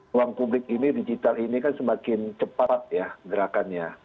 ruang publik ini digital ini kan semakin cepat ya gerakannya